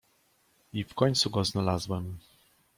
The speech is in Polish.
"I w końcu go znalazłem."